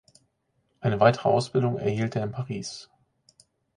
Eine weitere Ausbildung erhielt er in Paris.